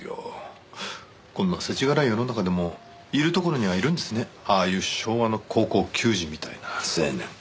こんな世知辛い世の中でもいるところにはいるんですねああいう昭和の高校球児みたいな青年。